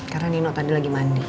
karena nino tadi lagi mau ngabarin aku